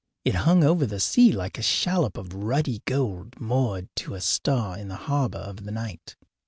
It hung over the sea like a shallop of ruddy gold moored to a star in the harbour of the night.